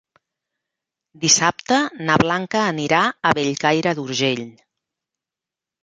Dissabte na Blanca anirà a Bellcaire d'Urgell.